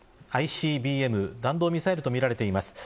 弾道ミサイルとみられています。